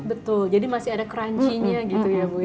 betul jadi masih ada crunchy nya gitu ya bu ya